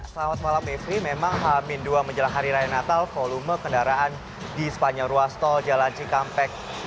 selamat malam mevri memang hamin dua menjelang hari raya natal volume kendaraan di sepanjang ruas tol jalan cikampek